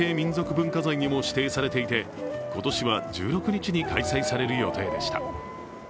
文化財にも指定されていて、今年は１６日に開催される予定でした。